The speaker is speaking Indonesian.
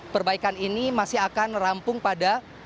perbaikan ini masih akan rampung pada